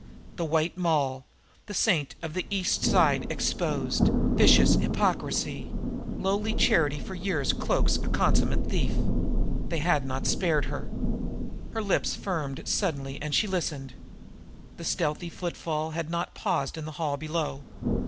"The White Moll....The Saint of the East Side Exposed....Vicious Hypocrisy....Lowly Charity for Years Cloaks a Consummate Thief..." They had not spared her! Her lips firmed suddenly, as she listened. The stealthy footfall had not paused in the hall below.